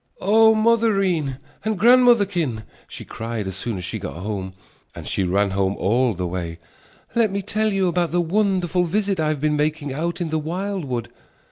"Oh, mothereen and grandmotherkin," she cried as soon as she got home, and she ran home all the way "let me tell you about the wonderful visit I have been making out in the wildwood."